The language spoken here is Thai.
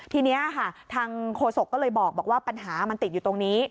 ทีนี้ค่ะทางโฆษกก็เลยบอกว่าปัญหามันติดอยู่ตรงนี้